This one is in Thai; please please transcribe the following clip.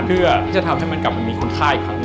เพื่อที่จะทำให้มันกลับมามีคุณค่าอีกครั้งหนึ่ง